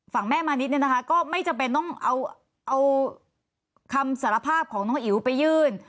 แม่มานิดเนี่ยนะคะก็ไม่จำเป็นต้องเอาคำสารภาพของน้องอิ๋วไปยื่น